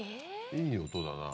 いい音だな。